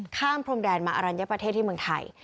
พรมแดนมาอรัญญประเทศที่เมืองไทย